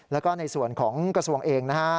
แล้วก็ในส่วนของกระทรวงเองนะฮะ